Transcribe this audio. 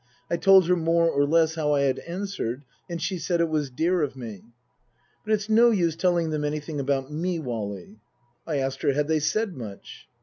I told her more or less how I had answered, and she said it was dear of me. " But it's no use telling them anything about me, Wally." I asked her, Had they said much